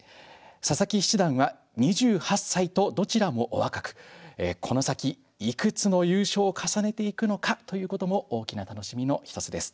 佐々木七段は２８歳とどちらも若くこの先いくつの優勝を重ねていくのかということも大きな楽しみの一つです。